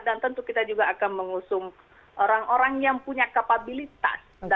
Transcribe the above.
dan tentu kita juga akan mengusung orang orang yang punya kapabilitas